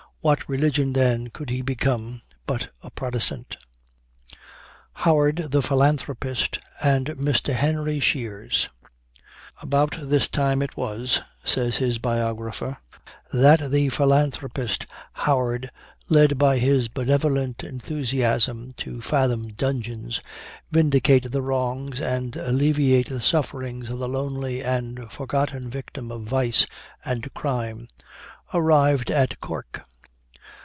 What religion, then, could he become, but a Protestant!" HOWARD, THE PHILANTHROPIST, AND MR. HENRY SHEARS. "About this time it was," says his biographer, "that the philanthropist Howard, led by his benevolent enthusiasm to fathom dungeons, vindicate the wrongs, and alleviate the sufferings of the lonely and forgotten victim of vice and crime, arrived at Cork.